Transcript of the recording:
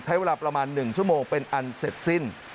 ใช้เวลาประมาณ๑ชั่วโมงเป็นอันเสร็จสิ้น